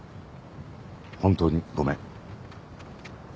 本当にごめん。